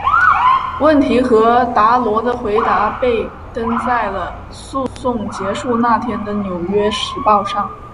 问题和达罗的回答被登在了诉讼结束那天的纽约时报上。